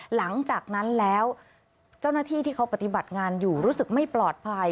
หลังจากนั้นแล้วเจ้าหน้าที่ที่เขาปฏิบัติงานอยู่รู้สึกไม่ปลอดภัย